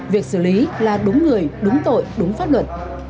việc xử lý là đúng người đúng tội đúng pháp luật